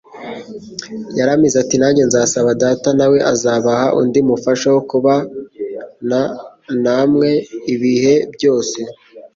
Yaramize ati : "Nanjye nzasaba Data nawe azabaha undi Mufasha wo kubana uamwe ibihe byose,